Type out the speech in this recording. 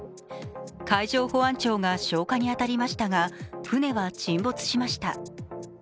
海上保安庁が消火に当たりましたが船は沈没しました。